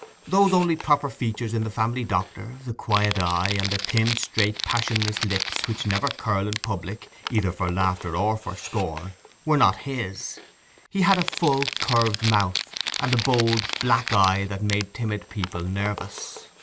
Those only proper features in the family doctor, the quiet eye, and the thin straight passionless lips which never curl in public either for laughter or for scorn, were not his; he had a full curved mouth, and a bold black eye that made timid people nervous.